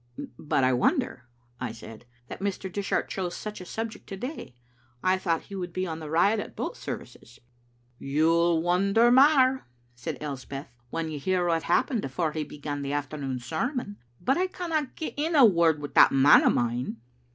" But I wonder," I said," that Mr. Dishart chose such a subject to day. I thought he would be on the riot at both services. "* "You'll wonder mair," said Elspeth, "when you hear what happened afore he began the afternoon sermon. But I canna get in a word wi' that man o' mine."